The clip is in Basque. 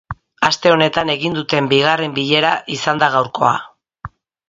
Aste honetan egin duten bigarren bilera izan da gaurkoa.